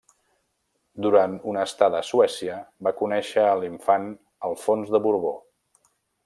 Durant una estada a Suècia, va conèixer a l'infant Alfons de Borbó.